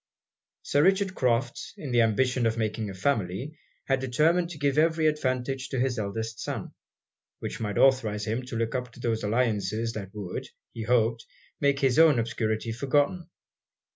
Sir Richard Crofts, in the ambition of making a family, had determined to give every advantage to his eldest son, which might authorise him to look up to those alliances that would, he hoped, make his own obscurity forgotten.